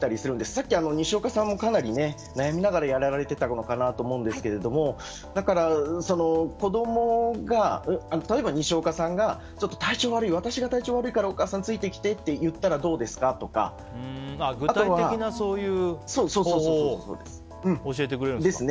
さっきにしおかさんもかなり悩みながらやられてたかなと思うんですがだから例えば、にしおかさんが私が体調悪いからお母さん、ついてきてって言ったらどうですかとか。具体的なそういう方法を教えてくれるんですか。